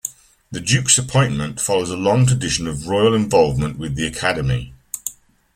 The Duke's appointment follows a long tradition of royal involvement with the academy.